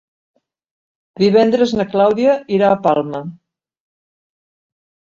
Divendres na Clàudia irà a Palma.